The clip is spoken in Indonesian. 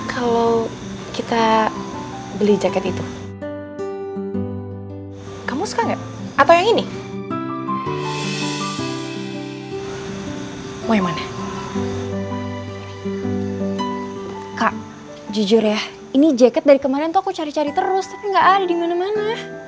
kak jujur ya ini jaket dari kemarin tuh aku cari cari terus tapi gak ada di mana mana